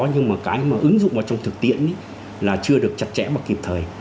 nhưng mà cái mà ứng dụng vào trong thực tiễn là chưa được chặt chẽ và kịp thời